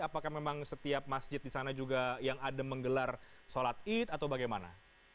apakah memang setiap masjid di sana juga yang ada menggelar sholat id atau bagaimana